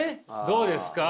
どうですか？